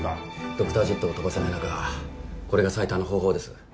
ドクタージェットを飛ばせない中これが最短の方法です。